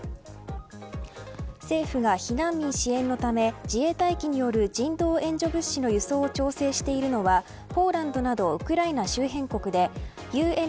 政府が避難民支援のため自衛隊機による人道援助物資の輸送を調整しているのはポーランドなどウクライナ周辺国でＵＮＨＣＲ